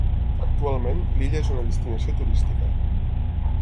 Actualment, l'illa és una destinació turística.